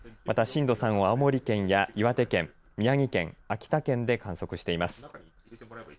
また震度３を青森県や岩手県宮城県、秋田県で観測しています。